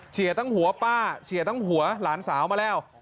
ทั้งหัวป้าเฉียทั้งหัวหลานสาวมาแล้ว